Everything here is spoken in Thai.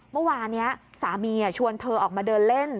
เมื่อวานนี้สามีชวนเธอออกมาเดินเล่น